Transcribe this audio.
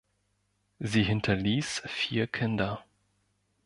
Sie hinterließ vier Kinder.